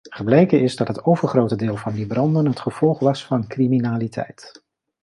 Gebleken is dat het overgrote deel van die branden het gevolg was van criminaliteit.